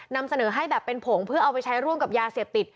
นำเสนอให้แบบเป็นผงเพื่อเอาไปใช้ร่วมกับยาเสพติด